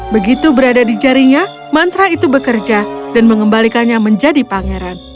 begitu berada di jarinya mantra itu bekerja dan mengembalikannya menjadi pangeran